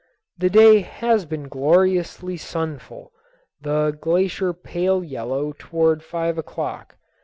The day has been gloriously sunful, the glacier pale yellow toward five o'clock.